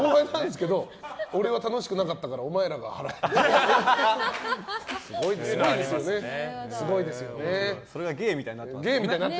俺は楽しくなかったからお前らが払えって。